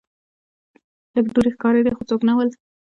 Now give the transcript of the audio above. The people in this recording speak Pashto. لږ دوړې ښکاریدې خو څوک نه ول.